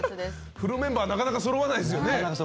フルメンバーなかなか、そろわないですよね。